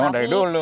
emang dari dulu